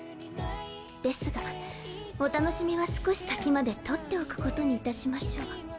ですがお楽しみは少し先まで取っておくことにいたしましょう。